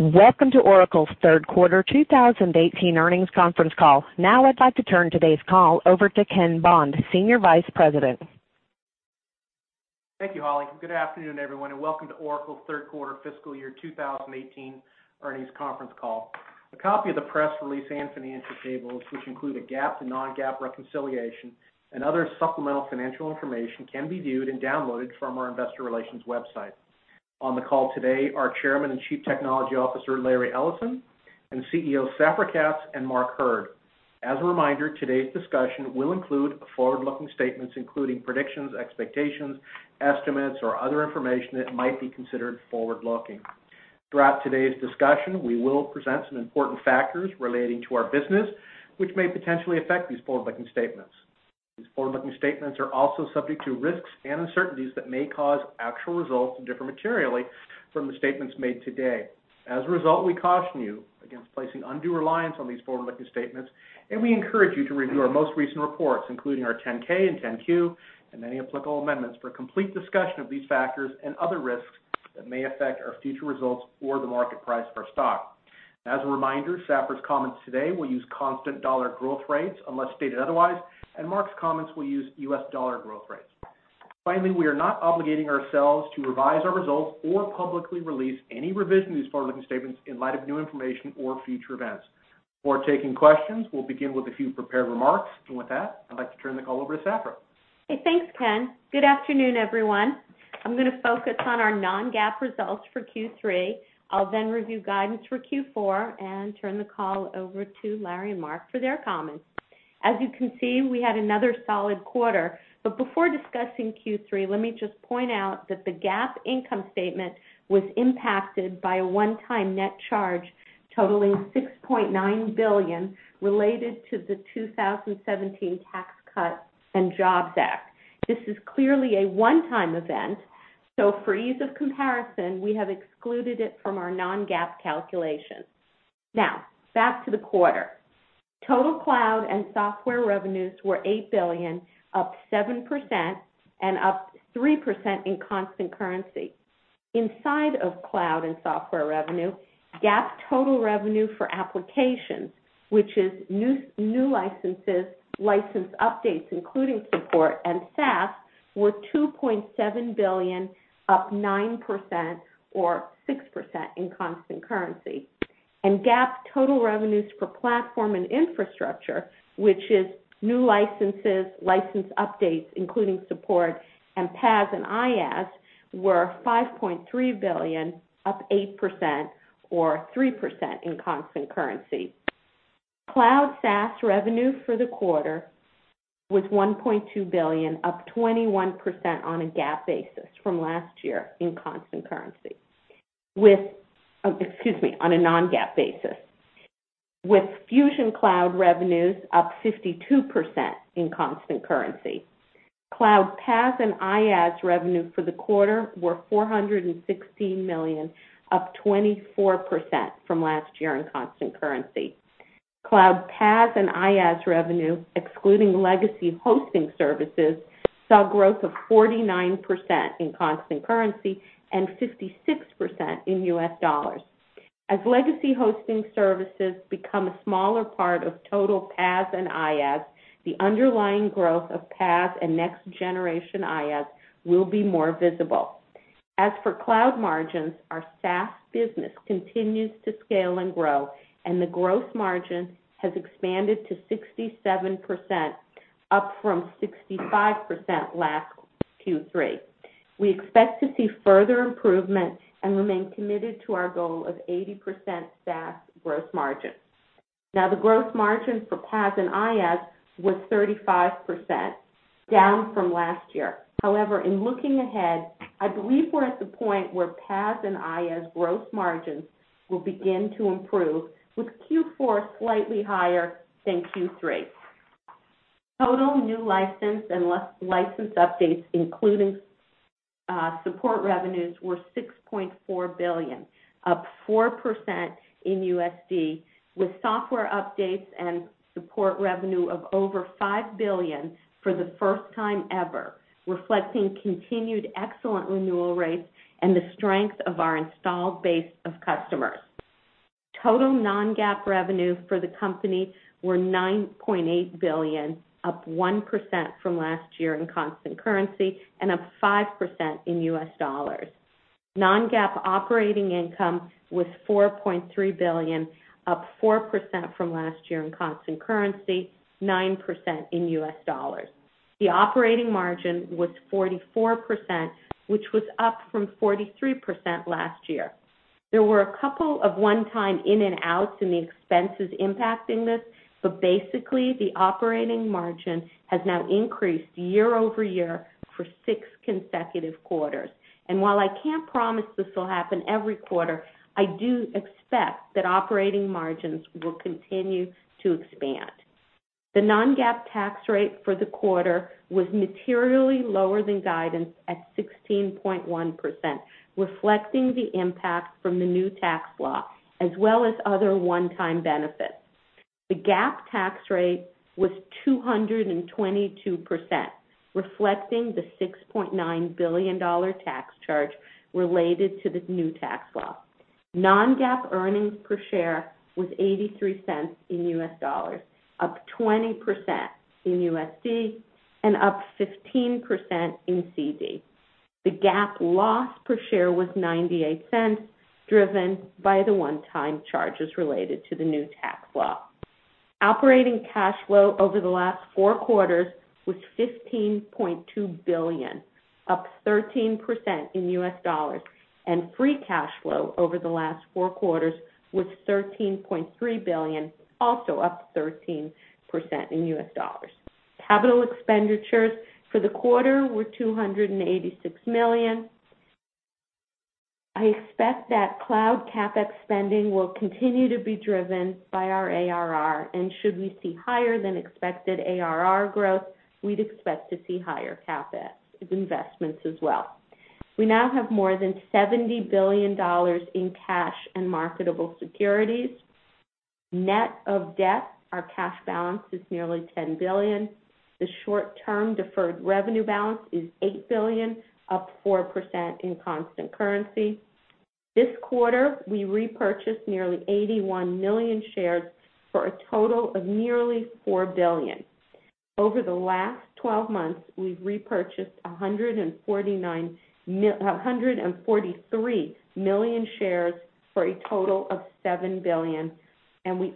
Welcome to Oracle's third quarter 2018 earnings conference call. I'd like to turn today's call over to Ken Bond, Senior Vice President. Thank you, Holly. Good afternoon, everyone, and welcome to Oracle's third quarter fiscal year 2018 earnings conference call. A copy of the press release and financial tables, which include a GAAP to non-GAAP reconciliation and other supplemental financial information, can be viewed and downloaded from our investor relations website. On the call today are Chairman and Chief Technology Officer, Larry Ellison, and CEOs Safra Catz and Mark Hurd. As a reminder, today's discussion will include forward-looking statements, including predictions, expectations, estimates, or other information that might be considered forward-looking. Throughout today's discussion, we will present some important factors relating to our business, which may potentially affect these forward-looking statements. These forward-looking statements are also subject to risks and uncertainties that may cause actual results to differ materially from the statements made today. We caution you against placing undue reliance on these forward-looking statements, and we encourage you to review our most recent reports, including our 10-K and 10-Q, and any applicable amendments for a complete discussion of these factors and other risks that may affect our future results or the market price of our stock. As a reminder, Safra's comments today will use constant dollar growth rates unless stated otherwise, and Mark's comments will use U.S. dollar growth rates. We are not obligating ourselves to revise our results or publicly release any revision to these forward-looking statements in light of new information or future events. Before taking questions, we'll begin with a few prepared remarks. With that, I'd like to turn the call over to Safra. Okay, thanks, Ken. Good afternoon, everyone. I'm going to focus on our non-GAAP results for Q3. I'll review guidance for Q4 and turn the call over to Larry and Mark for their comments. As you can see, we had another solid quarter. Before discussing Q3, let me just point out that the GAAP income statement was impacted by a one-time net charge totaling $6.9 billion related to the 2017 Tax Cuts and Jobs Act. This is clearly a one-time event. For ease of comparison, we have excluded it from our non-GAAP calculations. Back to the quarter. Total cloud and software revenues were $8 billion, up 7% and up 3% in constant currency. Inside of cloud and software revenue, GAAP total revenue for applications, which is new licenses, license updates, including support and SaaS, were $2.7 billion, up 9% or 6% in constant currency. GAAP total revenues for platform and infrastructure, which is new licenses, license updates, including support, and PaaS and IaaS, were $5.3 billion, up 8% or 3% in constant currency. Cloud SaaS revenue for the quarter was $1.2 billion, up 21% on a non-GAAP basis from last year in constant currency. Fusion Cloud revenues up 52% in constant currency. Cloud PaaS and IaaS revenue for the quarter were $416 million, up 24% from last year in constant currency. Cloud PaaS and IaaS revenue, excluding legacy hosting services, saw growth of 49% in constant currency and 56% in U.S. dollars. As legacy hosting services become a smaller part of total PaaS and IaaS, the underlying growth of PaaS and next-generation IaaS will be more visible. As for cloud margins, our SaaS business continues to scale and grow, and the growth margin has expanded to 67%, up from 65% last Q3. We expect to see further improvement and remain committed to our goal of 80% SaaS growth margin. The growth margin for PaaS and IaaS was 35%, down from last year. In looking ahead, I believe we're at the point where PaaS and IaaS growth margins will begin to improve, with Q4 slightly higher than Q3. Total new license and license updates, including support revenues, were $6.4 billion, up 4% in USD, with software updates and support revenue of over $5 billion for the first time ever, reflecting continued excellent renewal rates and the strength of our installed base of customers. Total non-GAAP revenues for the company were $9.8 billion, up 1% from last year in constant currency and up 5% in U.S. dollars. Non-GAAP operating income was $4.3 billion, up 4% from last year in constant currency, 9% in U.S. dollars. The operating margin was 44%, which was up from 43% last year. There were a couple of one-time in and outs in the expenses impacting this, but basically, the operating margin has now increased year-over-year for six consecutive quarters. While I can't promise this will happen every quarter, I do expect that operating margins will continue to expand. The non-GAAP tax rate for the quarter was materially lower than guidance at 16.1%, reflecting the impact from the Tax Cuts and Jobs Act, as well as other one-time benefits. The GAAP tax rate was 222%, reflecting the $6.9 billion tax charge related to this Tax Cuts and Jobs Act. Non-GAAP earnings per share was $0.83 in U.S. dollars, up 20% in USD, and up 15% in CD. The GAAP loss per share was $0.98, driven by the one-time charges related to the Tax Cuts and Jobs Act. Operating cash flow over the last four quarters was $15.2 billion, up 13% in U.S. dollars, and free cash flow over the last four quarters was $13.3 billion, also up 13% in U.S. dollars. Capital expenditures for the quarter were $286 million. I expect that cloud CapEx spending will continue to be driven by our ARR, and should we see higher than expected ARR growth, we'd expect to see higher CapEx investments as well. We now have more than $70 billion in cash and marketable securities. Net of debt, our cash balance is nearly $10 billion. The short-term deferred revenue balance is $8 billion, up 4% in constant currency. This quarter, we repurchased nearly 81 million shares for a total of nearly $4 billion. Over the last 12 months, we've repurchased 143 million shares for a total of $7 billion, and we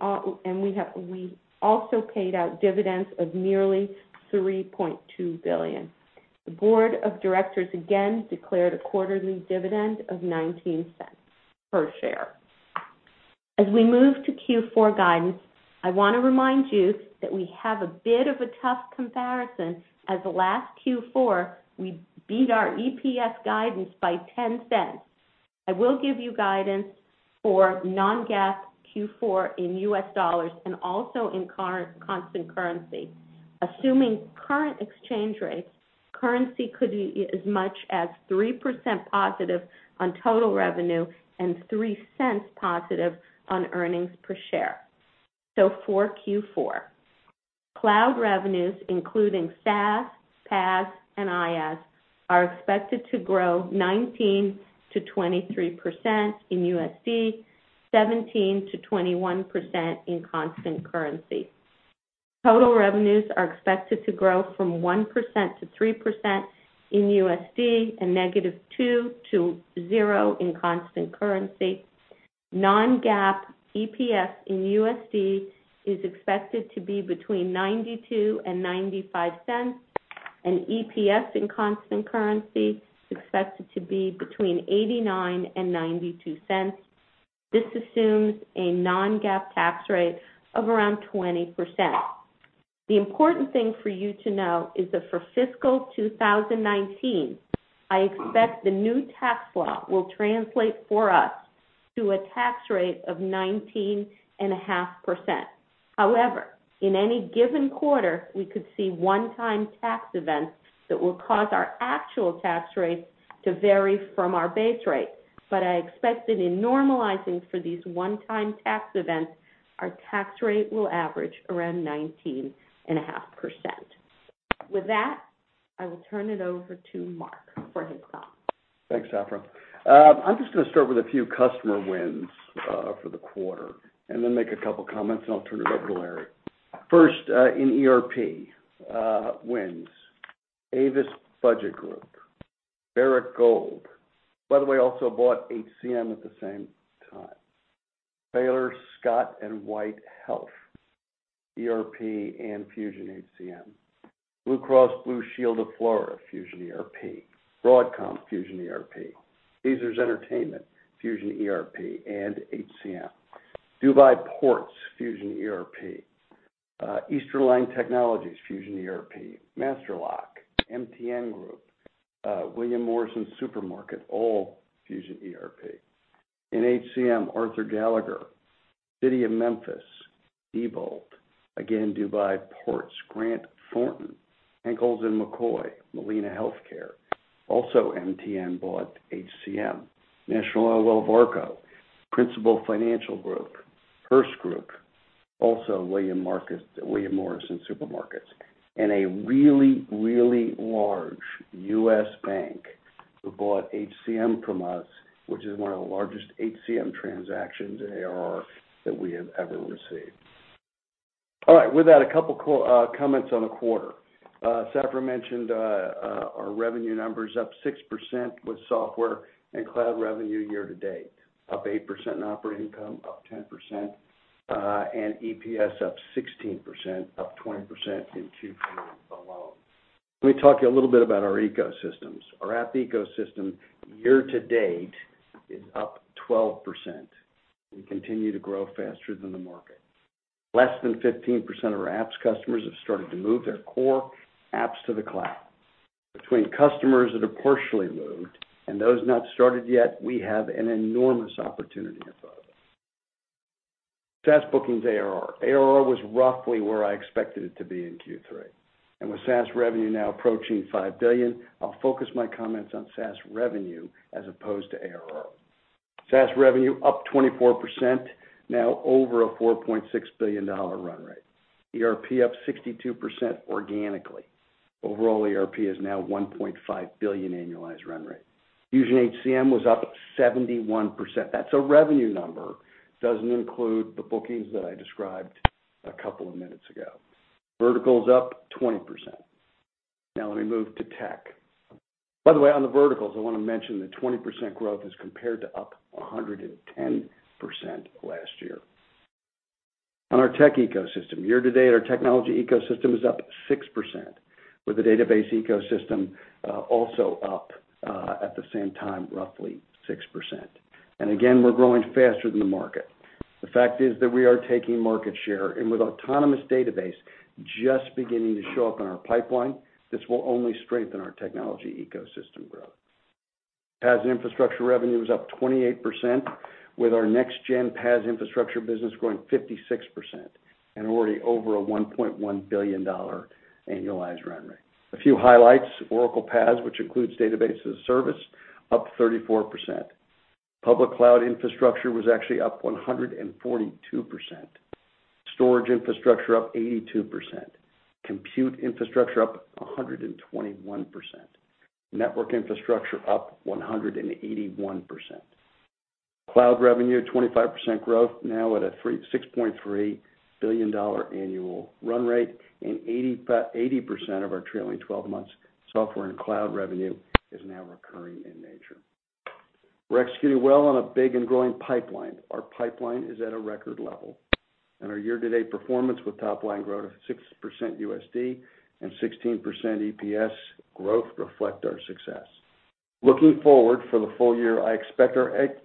also paid out dividends of nearly $3.2 billion. The board of directors again declared a quarterly dividend of $0.19 per share. As we move to Q4 guidance, I want to remind you that we have a bit of a tough comparison, as last Q4, we beat our EPS guidance by $0.10. I will give you guidance for non-GAAP Q4 in USD and also in constant currency. Assuming current exchange rates, currency could be as much as 3% positive on total revenue and $0.03 positive on earnings per share. For Q4, cloud revenues, including SaaS, PaaS, and IaaS, are expected to grow 19%-23% in USD, 17%-21% in constant currency. Total revenues are expected to grow from 1%-3% in USD and -2% to 0% in constant currency. Non-GAAP EPS in USD is expected to be between $0.92 and $0.95, and EPS in constant currency is expected to be between $0.89 and $0.92. This assumes a non-GAAP tax rate of around 20%. The important thing for you to know is that for fiscal 2019, I expect the new Tax Cuts and Jobs Act will translate for us to a tax rate of 19.5%. However, in any given quarter, we could see one-time tax events that will cause our actual tax rates to vary from our base rate. I expect that in normalizing for these one-time tax events, our tax rate will average around 19.5%. With that, I will turn it over to Mark for his comments. Thanks, Safra. I'm just going to start with a few customer wins for the quarter and then make a couple comments, and I'll turn it over to Larry. First, in ERP wins. Avis Budget Group, Barrick Gold, by the way, also bought HCM at the same time. Baylor Scott & White Health, ERP and Fusion HCM. Blue Cross Blue Shield of Florida, Fusion ERP. Broadcom, Fusion ERP. Caesars Entertainment, Fusion ERP and HCM. Dubai Ports, Fusion ERP. Eastline Technologies, Fusion ERP. Master Lock, MTN Group, Wm Morrison Supermarkets, all Fusion ERP. In HCM, Arthur J. Gallagher & Co., City of Memphis, Diebold, again, Dubai Ports, Grant Thornton, Henkels & McCoy, Molina Healthcare. Also, MTN bought HCM. National Oilwell Varco, Principal Financial Group, Hearst Group, also Wm Morrison Supermarkets, and a really, really large U.S. bank who bought HCM from us, which is one of the largest HCM transactions ARR that we have ever received. With that, a couple comments on the quarter. Safra mentioned our revenue numbers, up 6% with software and cloud revenue year-to-date, up 8% in operating income, up 10%, and EPS up 16%, up 20% in Q4 alone. Let me talk to you a little bit about our ecosystems. Our app ecosystem year-to-date is up 12%, and continue to grow faster than the market. Less than 15% of our apps customers have started to move their core apps to the cloud. Between customers that are partially moved and those not started yet, we have an enormous opportunity in front of us. SaaS bookings ARR. ARR was roughly where I expected it to be in Q3. With SaaS revenue now approaching $5 billion, I'll focus my comments on SaaS revenue as opposed to ARR. SaaS revenue up 24%, now over a $4.6 billion run rate. ERP up 62% organically. Overall, ERP is now a $1.5 billion annualized run rate. Fusion HCM was up 71%. That's a revenue number, doesn't include the bookings that I described a couple of minutes ago. Verticals up 20%. Let me move to tech. By the way, on the verticals, I want to mention the 20% growth is compared to up 110% last year. On our tech ecosystem, year-to-date, our technology ecosystem is up 6%, with the database ecosystem also up at the same time, roughly 6%. Again, we're growing faster than the market. The fact is that we are taking market share. With Autonomous Database just beginning to show up in our pipeline, this will only strengthen our technology ecosystem growth. PaaS infrastructure revenue is up 28%, with our next-gen PaaS infrastructure business growing 56%, already over a $1.1 billion annualized run rate. A few highlights, Oracle PaaS, which includes Database as a Service, up 34%. Public cloud infrastructure was actually up 142%. Storage infrastructure up 82%. Compute infrastructure up 121%. Network infrastructure up 181%. Cloud revenue, 25% growth, now at a $6.3 billion annual run rate. 80% of our trailing 12 months software and cloud revenue is now recurring in nature. We're executing well on a big and growing pipeline. Our pipeline is at a record level. Our year-to-date performance with top-line growth of 6% USD and 16% EPS growth reflect our success. Looking forward for the full year, I expect our apps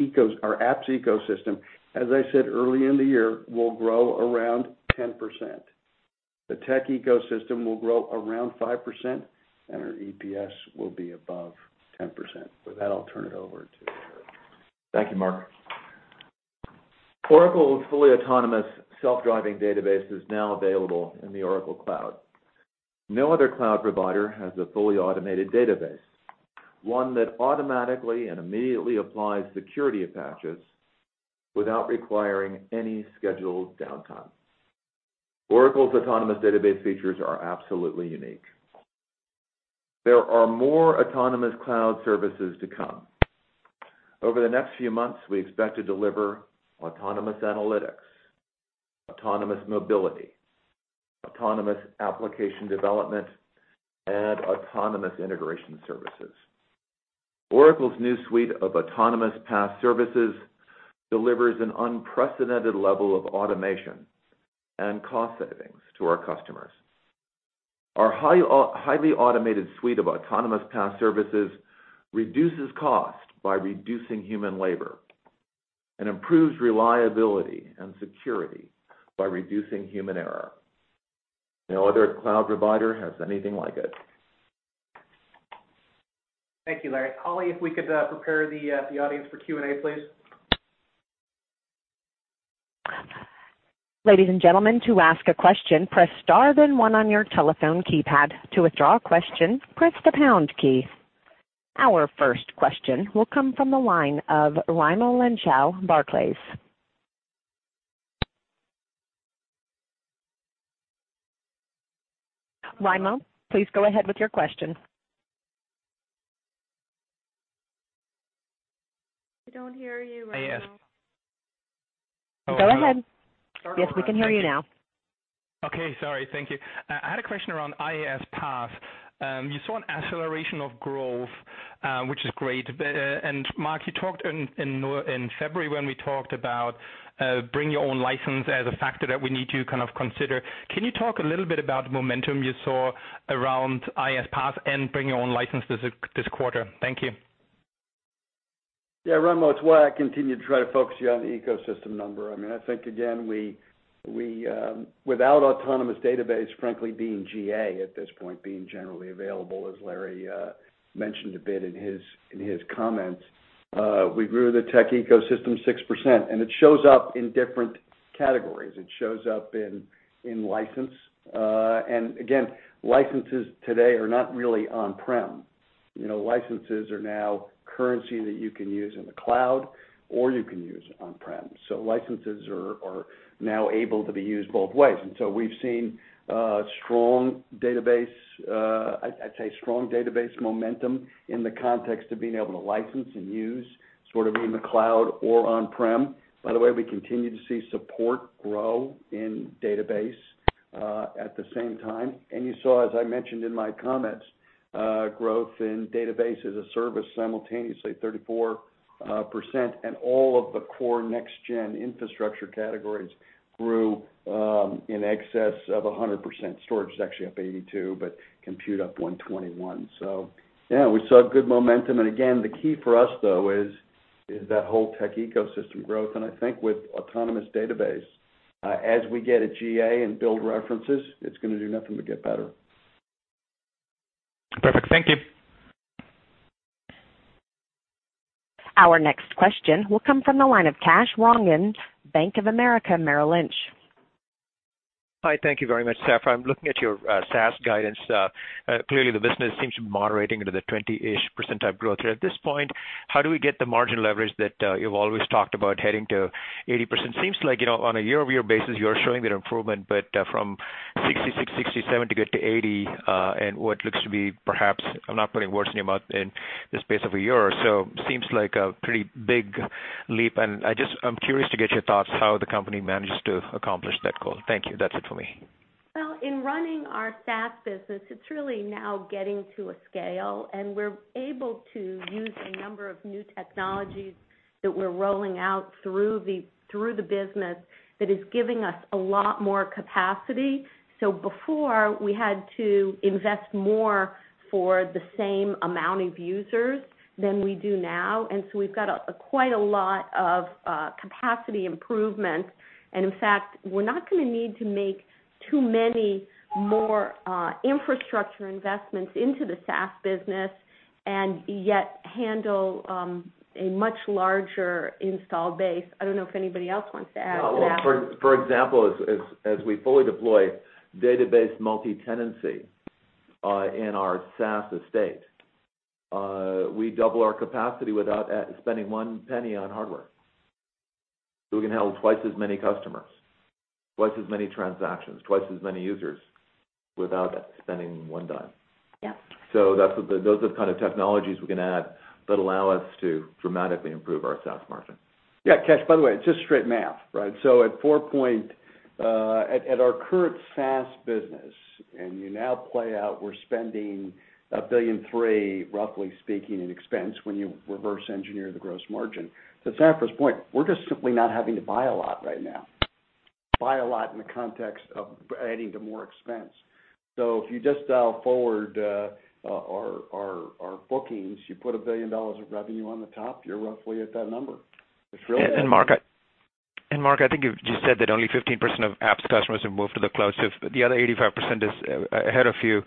ecosystem, as I said early in the year, will grow around 10%. The tech ecosystem will grow around 5%. Our EPS will be above 10%. With that, I'll turn it over to Larry. Thank you, Mark. Oracle's fully autonomous self-driving database is now available in the Oracle Cloud. No other cloud provider has a fully automated database, one that automatically and immediately applies security patches without requiring any scheduled downtime. Oracle's Autonomous Database features are absolutely unique. There are more autonomous cloud services to come. Over the next few months, we expect to deliver autonomous analytics, autonomous mobility, autonomous application development, and autonomous integration services. Oracle's new suite of autonomous PaaS services delivers an unprecedented level of automation and cost savings to our customers. Our highly automated suite of autonomous PaaS services reduces cost by reducing human labor and improves reliability and security by reducing human error. No other cloud provider has anything like it. Thank you, Larry. Holly, if we could prepare the audience for Q&A, please. Ladies and gentlemen, to ask a question, press star then one on your telephone keypad. To withdraw a question, press the pound key. Our first question will come from the line of Raimo Lenschow, Barclays. Raimo, please go ahead with your question. We don't hear you, Raimo. Go ahead. Yes, we can hear you now. Okay. Sorry, thank you. I had a question around IaaS PaaS. You saw an acceleration of growth, which is great. Mark, you talked in February when we talked about bring your own license as a factor that we need to kind of consider. Can you talk a little bit about momentum you saw around IaaS PaaS and bring your own license this quarter? Thank you. Yeah, Raimo, it's why I continue to try to focus you on the ecosystem number. I think, again, without Autonomous Database, frankly, being GA at this point, being generally available, as Larry mentioned a bit in his comments, we grew the tech ecosystem 6%. It shows up in different categories. It shows up in license. Again, licenses today are not really on-prem. Licenses are now currency that you can use in the cloud or you can use on-prem. Licenses are now able to be used both ways. We've seen strong database momentum in the context of being able to license and use sort of in the cloud or on-prem. By the way, we continue to see support grow in database at the same time. You saw, as I mentioned in my comments, growth in Database as a Service simultaneously 34%. All of the core next-gen infrastructure categories grew in excess of 100%. Storage is actually up 82%. Compute up 121%. Yeah, we saw good momentum. Again, the key for us, though, is that whole tech ecosystem growth. I think with Autonomous Database, as we get a GA and build references, it's going to do nothing but get better. Perfect. Thank you. Our next question will come from the line of Kash Rangan, Bank of America, Merrill Lynch. Hi, thank you very much, Safra. I'm looking at your SaaS guidance. Clearly, the business seems to be moderating into the 20-ish% type growth rate. At this point, how do we get the margin leverage that you've always talked about heading to 80%? Seems like, on a year-over-year basis, you're showing good improvement, but from 66%, 67% to get to 80%, in what looks to be perhaps, I'm not putting words in your mouth, in the space of a year. Seems like a pretty big leap, and I'm curious to get your thoughts how the company manages to accomplish that goal. Thank you. That's it for me. Well, in running our SaaS business, it's really now getting to a scale, and we're able to use a number of new technologies that we're rolling out through the business that is giving us a lot more capacity. Before, we had to invest more for the same amount of users than we do now. We've got quite a lot of capacity improvement. In fact, we're not going to need to make too many more infrastructure investments into the SaaS business and yet handle a much larger install base. I don't know if anybody else wants to add to that. For example, as we fully deploy database multi-tenancy in our SaaS estate, we double our capacity without spending one penny on hardware. We can handle twice as many customers, twice as many transactions, twice as many users without spending one dime. Yep. Those are the kind of technologies we can add that allow us to dramatically improve our SaaS margin. Yeah, Kash, by the way, it's just straight math, right? At our current SaaS business, and you now play out, we're spending $1.3 billion, roughly speaking, in expense when you reverse engineer the gross margin. To Safra's point, we're just simply not having to buy a lot right now. Buy a lot in the context of adding to more expense. If you just dial forward our bookings, you put $1 billion of revenue on the top, you're roughly at that number. Mark, I think you've just said that only 15% of apps customers have moved to the cloud, so the other 85% is ahead of you.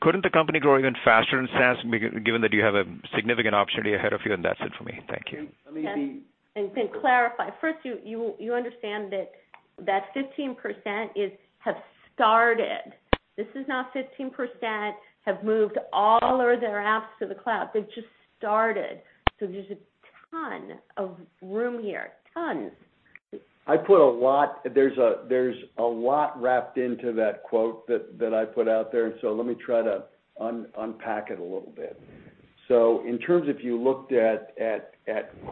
Couldn't the company grow even faster in SaaS, given that you have a significant opportunity ahead of you? And that's it for me. Thank you. Kash, I can clarify. First, you understand that that 15% have started. This is not 15% have moved all of their apps to the cloud. They've just started. There's a ton of room here. Tons. There's a lot wrapped into that quote that I put out there. Let me try to unpack it a little bit. In terms of you looked at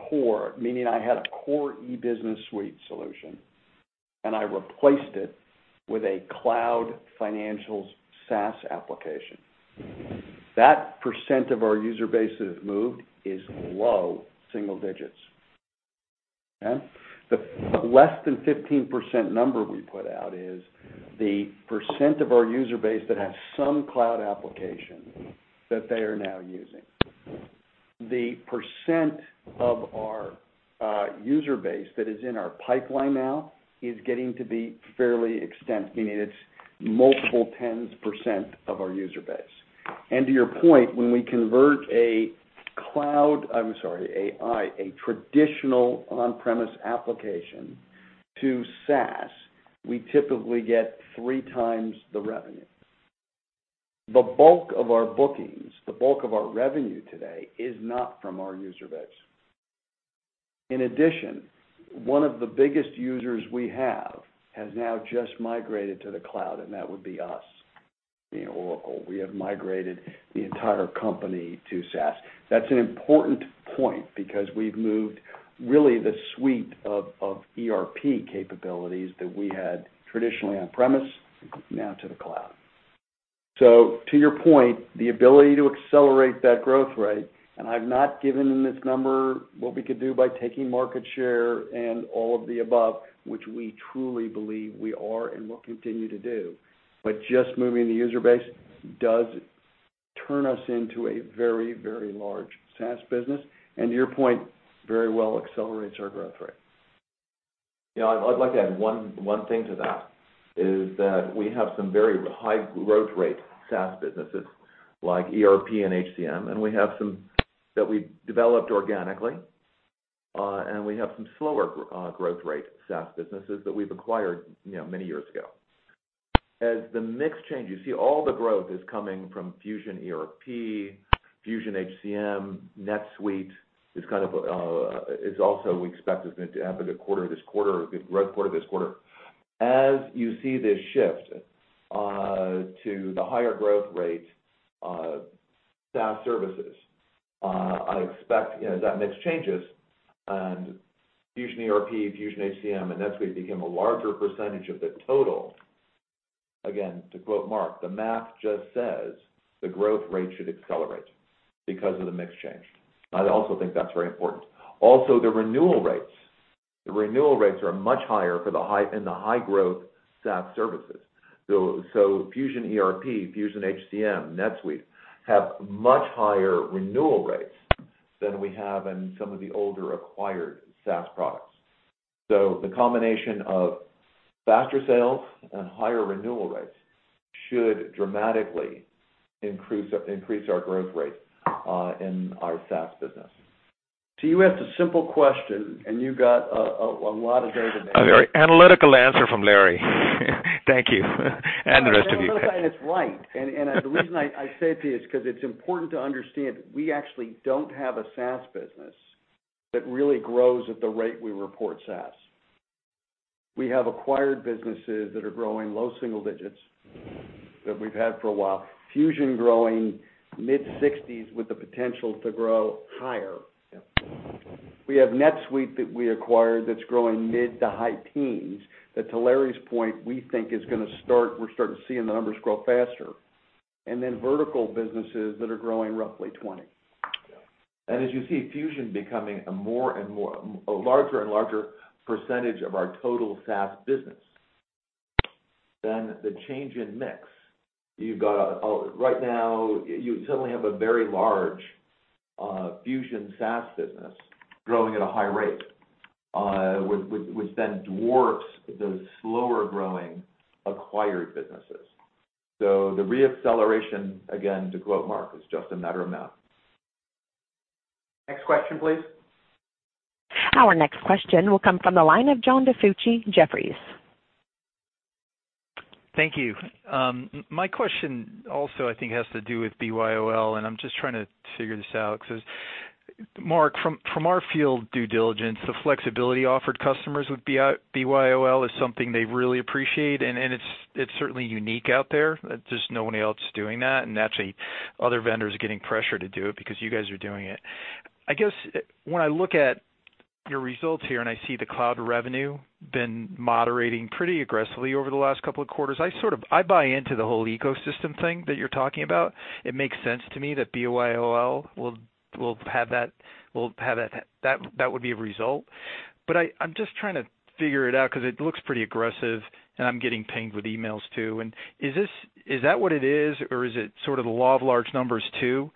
core, meaning I had a core E-Business Suite solution, and I replaced it with a cloud financials SaaS application. That percent of our user base that has moved is low single digits. The less than 15% number we put out is the percent of our user base that has some cloud application that they are now using. The percent of our user base that is in our pipeline now is getting to be fairly extent, meaning it's multiple tens percent of our user base. To your point, when we convert a traditional on-premise application to SaaS, we typically get 3x the revenue. The bulk of our bookings, the bulk of our revenue today is not from our user base. In addition, one of the biggest users we have has now just migrated to the cloud, and that would be us. Oracle. We have migrated the entire company to SaaS. That's an important point because we've moved really the suite of ERP capabilities that we had traditionally on-premise now to the cloud. To your point, the ability to accelerate that growth rate, and I've not given this number, what we could do by taking market share and all of the above, which we truly believe we are and will continue to do. Just moving the user base does turn us into a very large SaaS business. To your point, very well accelerates our growth rate. I'd like to add one thing to that, is that we have some very high growth rate SaaS businesses like ERP and HCM, that we developed organically. We have some slower growth rate SaaS businesses that we've acquired many years ago. As the mix changes, you see all the growth is coming from Fusion ERP, Fusion HCM, NetSuite is also, we expect, is going to have a good quarter this quarter. As you see this shift to the higher growth rate SaaS services, I expect that mix changes and Fusion ERP, Fusion HCM, and NetSuite become a larger percentage of the total. Again, to quote Mark, the math just says the growth rate should accelerate because of the mix change. I also think that's very important. Also, the renewal rates are much higher in the high growth SaaS services. Fusion ERP, Fusion HCM, NetSuite have much higher renewal rates than we have in some of the older acquired SaaS products. The combination of faster sales and higher renewal rates should dramatically increase our growth rate in our SaaS business. You asked a simple question, and you got a lot of data back. A very analytical answer from Larry. Thank you. The rest of you. It's right. The reason I say it to you is because it's important to understand, we actually don't have a SaaS business that really grows at the rate we report SaaS. We have acquired businesses that are growing low single digits that we've had for a while. Fusion growing mid-60s with the potential to grow higher. Yeah. We have NetSuite that we acquired that's growing mid to high teens, that to Larry's point, we think is going to start, we're starting to see the numbers grow faster. Vertical businesses that are growing roughly 20. Yeah. As you see, Fusion becoming a larger and larger percentage of our total SaaS business. The change in mix. Right now, you certainly have a very large Fusion SaaS business growing at a high rate, which then dwarfs those slower-growing acquired businesses. The re-acceleration, again, to quote Mark, is just a matter of math. Next question, please. Our next question will come from the line of John DiFucci, Jefferies. Thank you. My question also, I think, has to do with BYOL, I'm just trying to figure this out because, Mark, from our field due diligence, the flexibility offered customers with BYOL is something they really appreciate, it's certainly unique out there. Just nobody else is doing that, naturally other vendors are getting pressure to do it because you guys are doing it. I guess, when I look at your results here, I see the cloud revenue been moderating pretty aggressively over the last couple of quarters, I buy into the whole ecosystem thing that you're talking about. It makes sense to me that BYOL, that would be a result. I'm just trying to figure it out because it looks pretty aggressive, I'm getting pinged with emails too. Is that what it is, or is it sort of the law of large numbers too?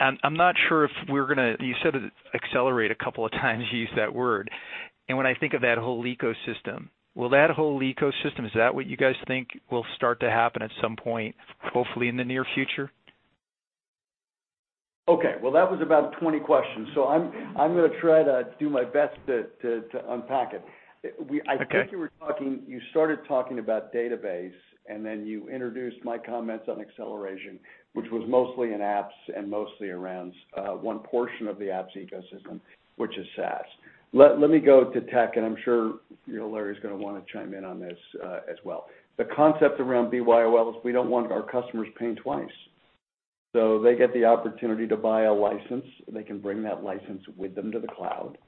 I'm not sure if we're going to. You said "accelerate" a couple of times, you used that word. When I think of that whole ecosystem, is that what you guys think will start to happen at some point, hopefully in the near future? Okay. That was about 20 questions. I'm going to try to do my best to unpack it. Okay. I think you started talking about database. Then you introduced my comments on acceleration, which was mostly in apps and mostly around one portion of the apps ecosystem, which is SaaS. Let me go to tech. I'm sure Larry's going to want to chime in on this as well. The concept around BYOL is we don't want our customers paying twice. They get the opportunity to buy a license, they can bring that license with them to the cloud,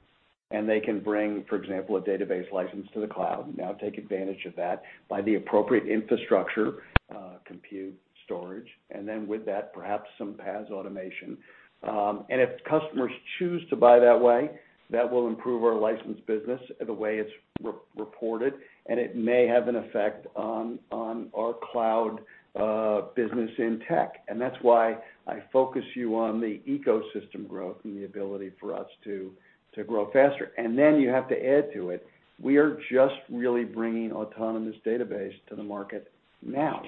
and they can bring, for example, a database license to the cloud, now take advantage of that, buy the appropriate infrastructure, compute, storage, and then with that, perhaps some PaaS automation. If customers choose to buy that way, that will improve our license business the way it's reported, and it may have an effect on our cloud business in tech. That's why I focus you on the ecosystem growth and the ability for us to grow faster. Then you have to add to it, we are just really bringing Autonomous Database to the market now.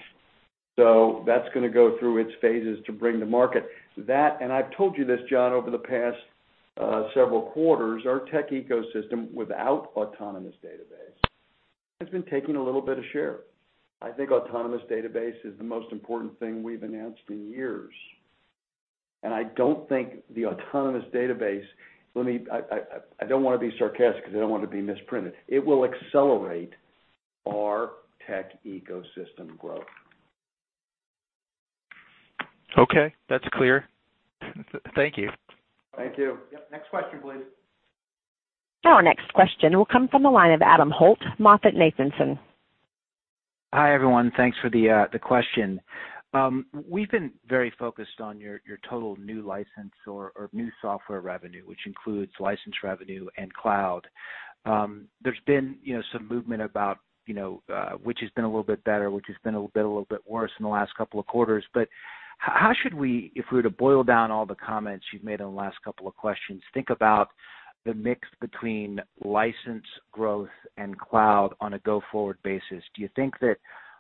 That's going to go through its phases to bring to market. That, and I've told you this, John, over the past several quarters, our tech ecosystem without Autonomous Database has been taking a little bit of share. I think Autonomous Database is the most important thing we've announced in years. I don't think the Autonomous Database, I don't want to be sarcastic because I don't want to be misprinted. It will accelerate our tech ecosystem growth. Okay. That's clear. Thank you. Thank you. Yep. Next question, please. Our next question will come from the line of Adam Holt, MoffettNathanson. Hi, everyone. Thanks for the question. We've been very focused on your total new license or new software revenue, which includes license revenue and cloud. There's been some movement about which has been a little bit better, which has been a little bit worse in the last couple of quarters. How should we, if we were to boil down all the comments you've made on the last couple of questions, think about the mix between license growth and cloud on a go-forward basis? Do you think that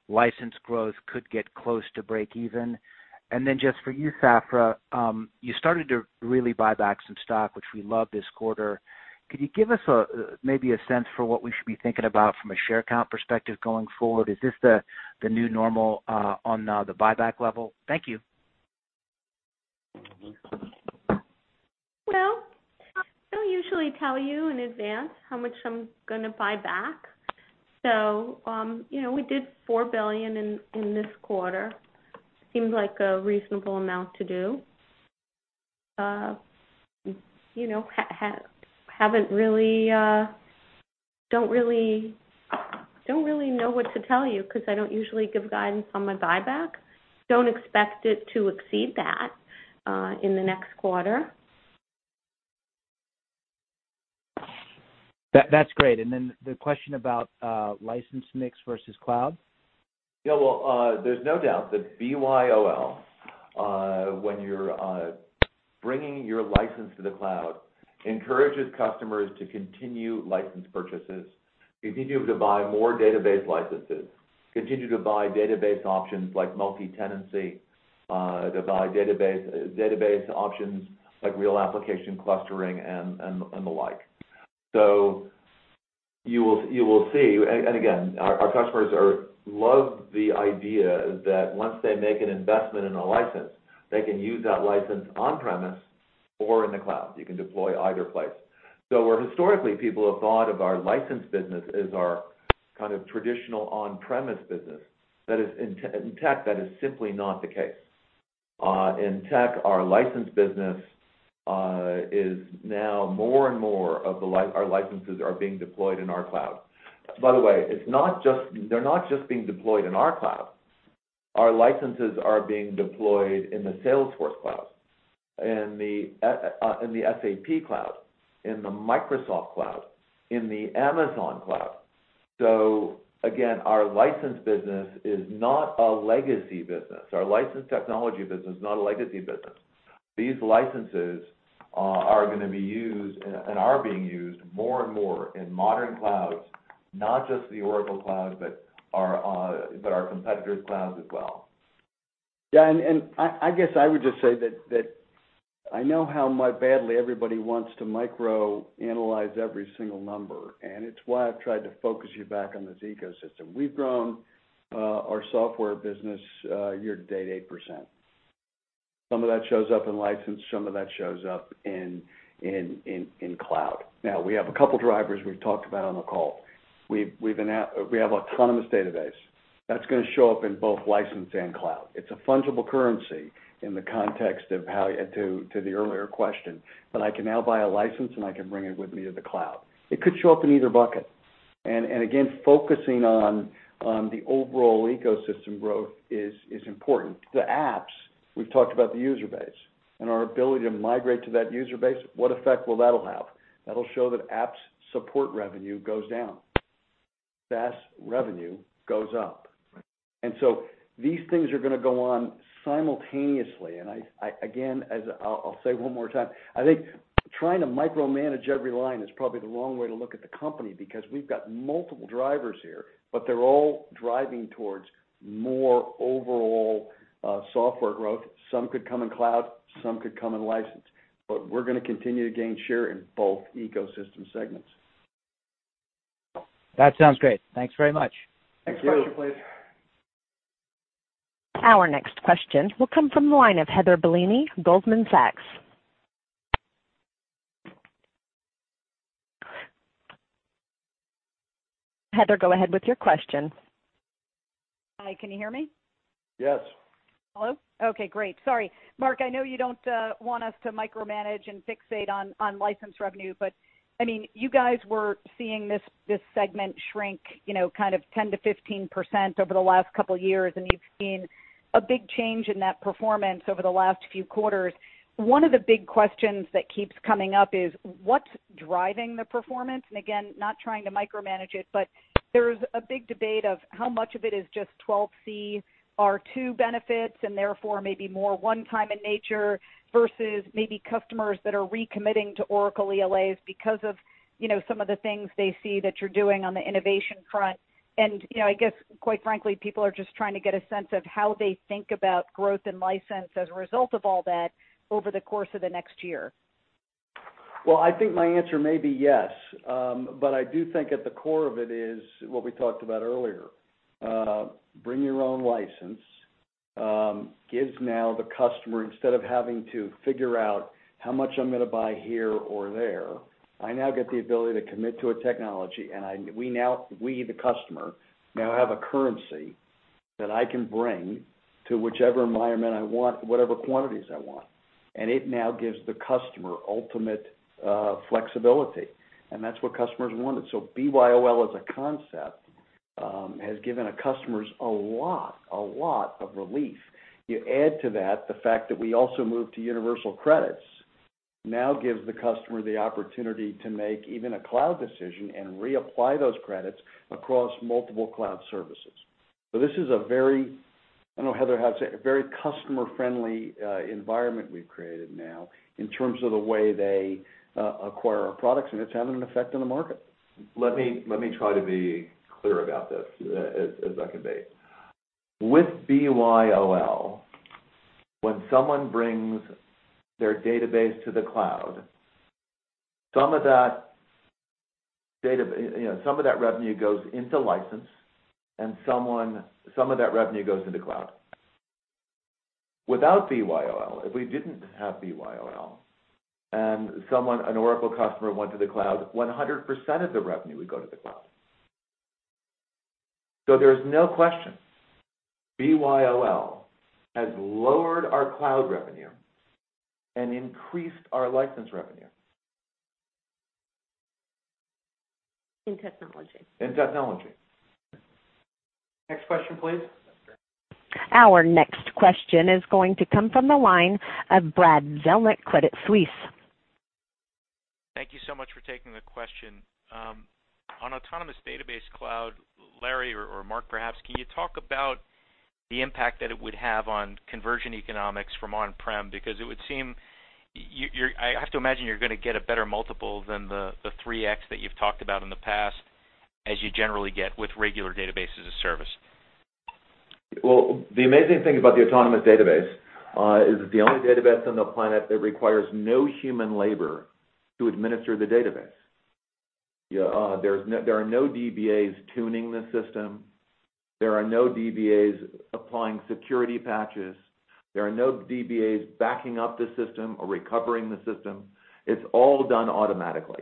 license growth could get close to breakeven? And then just for you, Safra, you started to really buy back some stock, which we love this quarter. Could you give us maybe a sense for what we should be thinking about from a share count perspective going forward? Is this the new normal on the buyback level? Thank you. Well, I don't usually tell you in advance how much I'm going to buy back. We did $4 billion in this quarter. Seems like a reasonable amount to do. Don't really know what to tell you because I don't usually give guidance on my buyback. Don't expect it to exceed that in the next quarter. That's great. Then the question about license mix versus cloud. Yeah. Well, there's no doubt that BYOL, when you're bringing your license to the cloud. Encourages customers to continue license purchases, continue to buy more database licenses, continue to buy database options like multi-tenancy, to buy database options like Real Application Clusters and the like. You will see, and again, our customers love the idea that once they make an investment in a license, they can use that license on-premise or in the cloud. You can deploy either place. Where historically people have thought of our license business as our kind of traditional on-premise business, in tech, that is simply not the case. In tech, our license business is now more and more of our licenses are being deployed in our cloud. By the way, they're not just being deployed in our cloud. Our licenses are being deployed in the Salesforce cloud, in the SAP cloud, in the Microsoft cloud, in the Amazon cloud. Again, our license business is not a legacy business. Our license technology business is not a legacy business. These licenses are going to be used, and are being used more and more in modern clouds, not just the Oracle Cloud, but our competitors' clouds as well. Yeah, I guess I would just say that I know how badly everybody wants to micro-analyze every single number, and it's why I've tried to focus you back on this ecosystem. We've grown our software business year to date, 8%. Some of that shows up in license, some of that shows up in cloud. Now, we have a couple drivers we've talked about on the call. We have Autonomous Database. That's going to show up in both license and cloud. It's a fungible currency in the context of how, to the earlier question, that I can now buy a license and I can bring it with me to the cloud. It could show up in either bucket. Again, focusing on the overall ecosystem growth is important. The apps, we've talked about the user base and our ability to migrate to that user base, what effect will that all have? That'll show that apps support revenue goes down. SaaS revenue goes up. Right. These things are going to go on simultaneously, again, I'll say one more time, I think trying to micromanage every line is probably the wrong way to look at the company because we've got multiple drivers here, but they're all driving towards more overall software growth. Some could come in cloud, some could come in license, but we're going to continue to gain share in both ecosystem segments. That sounds great. Thanks very much. Next question, please. Our next question will come from the line of Heather Bellini, Goldman Sachs. Heather, go ahead with your question. Hi, can you hear me? Yes. Hello? Okay, great. Sorry. Mark, I know you don't want us to micromanage and fixate on license revenue, but you guys were seeing this segment shrink 10%-15% over the last couple of years, and you've seen a big change in that performance over the last few quarters. One of the big questions that keeps coming up is what's driving the performance? Again, not trying to micromanage it, but there's a big debate of how much of it is just 12c R2 benefits and therefore maybe more one time in nature versus maybe customers that are recommitting to Oracle ELAs because of some of the things they see that you're doing on the innovation front. I guess, quite frankly, people are just trying to get a sense of how they think about growth and license as a result of all that over the course of the next year. I think my answer may be yes, but I do think at the core of it is what we talked about earlier. Bring Your Own License gives now the customer, instead of having to figure out how much I'm going to buy here or there, I now get the ability to commit to a technology, and we, the customer, now have a currency that I can bring to whichever environment I want, whatever quantities I want. It now gives the customer ultimate flexibility, and that's what customers wanted. BYOL as a concept has given our customers a lot of relief. You add to that the fact that we also moved to Universal Credits, now gives the customer the opportunity to make even a cloud decision and reapply those credits across multiple cloud services. This is a very, I know Heather has it, very customer-friendly environment we've created now in terms of the way they acquire our products, and it's having an effect on the market. Let me try to be clear about this as I can be. With BYOL, when someone brings their database to the cloud, some of that revenue goes into license and some of that revenue goes into cloud. Without BYOL, if we didn't have BYOL, an Oracle customer went to the cloud, 100% of the revenue would go to the cloud. There's no question, BYOL has lowered our cloud revenue and increased our license revenue. In technology. In technology. Next question, please. Our next question is going to come from the line of Brad Zelnick, Credit Suisse. Thank you so much for taking the question. On Autonomous Database Cloud, Larry or Mark perhaps, can you talk about the impact that it would have on conversion economics from on-prem, because I have to imagine you're going to get a better multiple than the 3x that you've talked about in the past, as you generally get with regular Database as a Service. The amazing thing about the Autonomous Database is it's the only database on the planet that requires no human labor to administer the database. There are no DBAs tuning the system. There are no DBAs applying security patches. There are no DBAs backing up the system or recovering the system. It's all done automatically.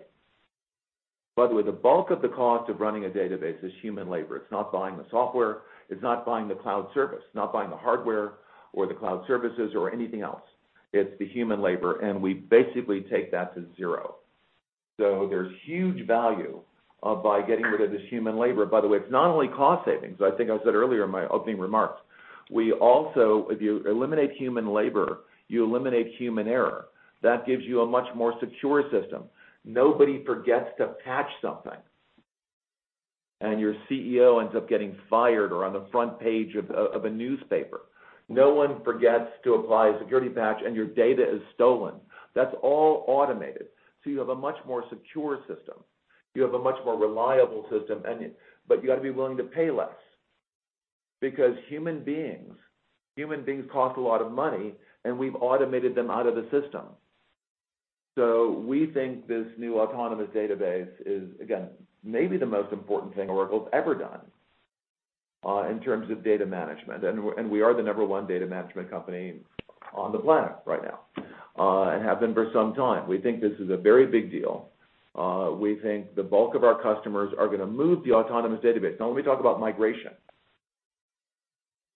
The bulk of the cost of running a database is human labor. It's not buying the software, it's not buying the cloud service, not buying the hardware or the cloud services or anything else. It's the human labor, and we basically take that to zero. There's huge value by getting rid of this human labor. It's not only cost savings. I think I said earlier in my opening remarks, if you eliminate human labor, you eliminate human error. That gives you a much more secure system. Nobody forgets to patch something and your CEO ends up getting fired or on the front page of a newspaper. No one forgets to apply a security patch and your data is stolen. That's all automated. You have a much more secure system. You have a much more reliable system. You got to be willing to pay less, because human beings cost a lot of money, and we've automated them out of the system. We think this new Autonomous Database is, again, maybe the most important thing Oracle's ever done in terms of data management. We are the number 1 data management company on the planet right now, and have been for some time. We think this is a very big deal. We think the bulk of our customers are going to move the Autonomous Database. Let me talk about migration.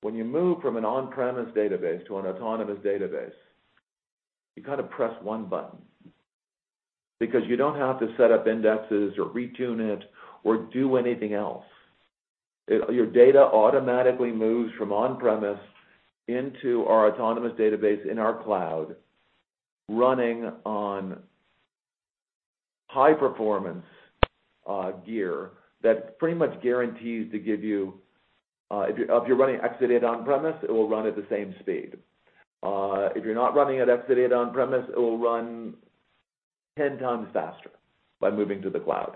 When you move from an on-premise database to an Autonomous Database, you kind of press one button. You don't have to set up indexes or retune it or do anything else. Your data automatically moves from on-premise into our Autonomous Database in our cloud, running on high-performance gear that pretty much guarantees to give you. If you're running Exadata on-premise, it will run at the same speed. If you're not running an Exadata on-premise, it will run 10 times faster by moving to the cloud.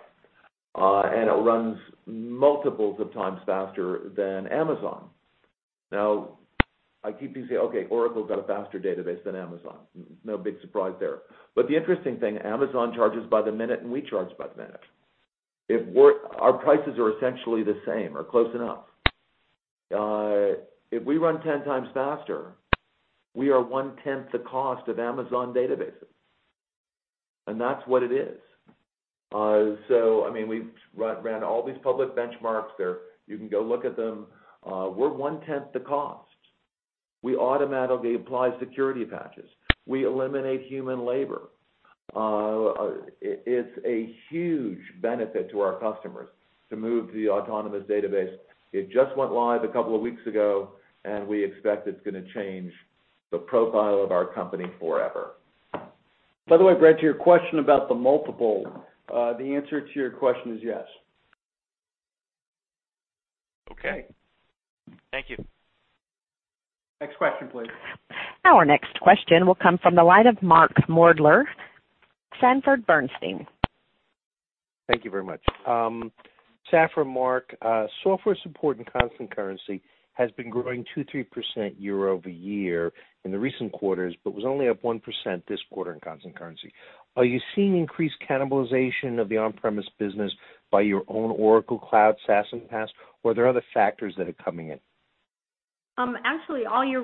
It runs multiples of times faster than Amazon. I keep hearing you say, "Okay, Oracle's got a faster database than Amazon." No big surprise there. The interesting thing, Amazon charges by the minute, and we charge by the minute. Our prices are essentially the same or close enough. If we run 10 times faster, we are one-tenth the cost of Amazon databases. That's what it is. We've run all these public benchmarks. You can go look at them. We're one-tenth the cost. We automatically apply security patches. We eliminate human labor. It's a huge benefit to our customers to move to the Autonomous Database. It just went live a couple of weeks ago, and we expect it's going to change the profile of our company forever. By the way, Brad, to your question about the multiple, the answer to your question is yes. Okay. Thank you. Next question, please. Our next question will come from the line of Mark Moerdler, Sanford Bernstein. Thank you very much. Safra, Mark. Software support and constant currency has been growing 2%, 3% year-over-year in the recent quarters, but was only up 1% this quarter in constant currency. Are you seeing increased cannibalization of the on-premise business by your own Oracle Cloud SaaS and PaaS, or are there other factors that are coming in? Actually, all year-